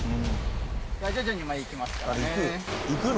徐々に前行きますからねいくの？